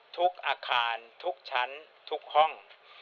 ทุกอาคารทุกชั้นทุกห้อง